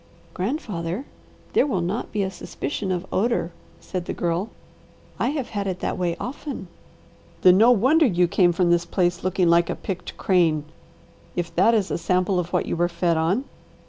"Grandfather, there will not be a suspicion of odour," said the Girl. "I have had it that way often." "Then no wonder you came from this place looking like a picked crane, if that is a sample of what you were fed on!"